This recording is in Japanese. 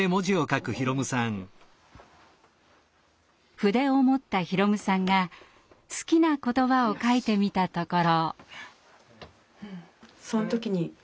筆を持った宏夢さんが好きな言葉を書いてみたところ。